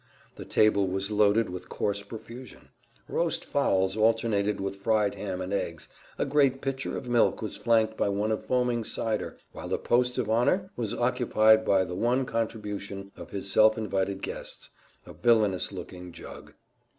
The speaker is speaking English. The table was loaded with coarse profusion. Roast fowls alternated with fried ham and eggs, a great pitcher of milk was flanked by one of foaming cider, while the post of honor was occupied by the one contribution of his self invited guests a villainous looking jug.